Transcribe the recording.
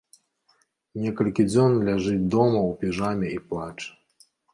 Некалькі дзён ляжыць дома ў піжаме і плача.